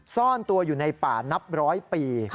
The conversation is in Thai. ซ่อนตัวอยู่ในป่านับร้อยปี